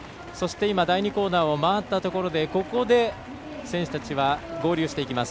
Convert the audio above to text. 第２コーナー回ったところで選手たちは合流していきます。